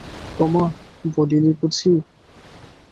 ওমা, বলিলি বুঝি?